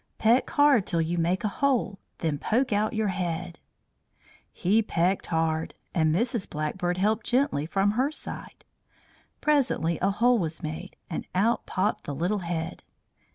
Peck hard till you make a hole. Then poke out your head." He pecked hard, and Mrs. Blackbird helped gently from her side. Presently a hole was made, and out popped the little head.